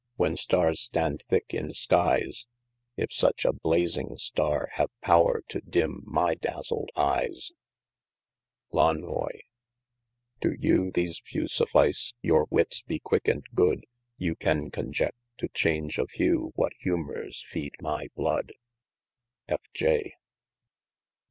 when star res stand thicke in skies, If such a biasing starre have power to dim my dazled eyes ? Lenvoie. To you these fewe suffise, your wittes be quicke and good, You can conjedt by chaunge of hew, what humors feede my blood. F.J.